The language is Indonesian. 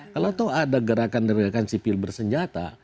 kalau tahu ada gerakan gerakan sipil bersenjata